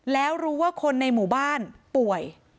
แล้วรู้ว่าคนในหมู่บ้านป่วย